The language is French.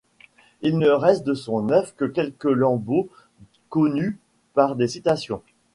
Il ne reste de son œuvre que quelques lambeaux connus par des citations.